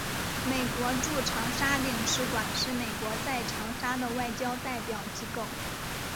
美国驻长沙领事馆是美国在长沙的外交代表机构。